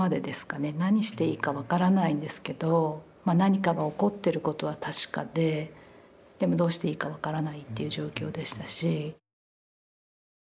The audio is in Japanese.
何していいか分からないんですけどまあ何かが起こってることは確かででもどうしていいか分からないという状況でしたし。